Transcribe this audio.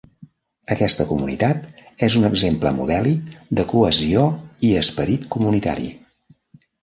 Aquesta comunitat és un exemple modèlic de cohesió i esperit comunitari.